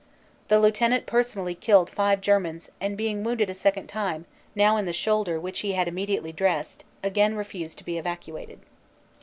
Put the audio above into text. The Lieu tenant personally killed five Germans and being wounded a second time, now in the shoulder which he had immediately dressed, again refused to be evacuated.